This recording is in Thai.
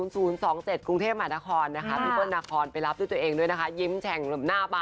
เสร็จส่องแอนโทเนียล่ะเออเสร็จล่ะ